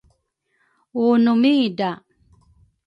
Uunu midra